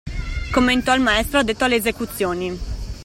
Commentò il maestro addetto alle esecuzioni.